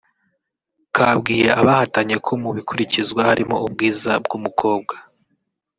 kabwiye abahatanye ko mu bikurikizwa harimo ubwiza bw’umukobwa